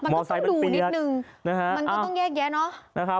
มันก็ต้องแยกแยะเนาะ